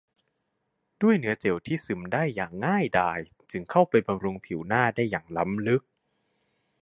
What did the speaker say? ด้วยเนื้อเจลที่ซึมได้อย่างง่ายดายจึงเข้าไปบำรุงผิวหน้าได้อย่างล้ำลึก